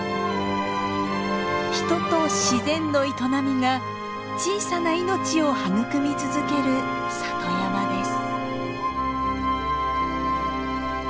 人と自然の営みが小さな命を育み続ける里山です。